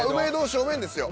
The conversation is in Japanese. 正面ですよ。